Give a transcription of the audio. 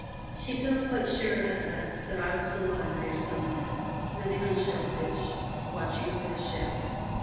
She felt quite sure at last that I was alive there somewhere, living on shell fish, watching for a ship.